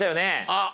あっ！